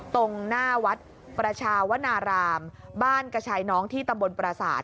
ตรงหน้าวัดประชาวนารามบ้านกระชายน้องที่ตำบลประสาท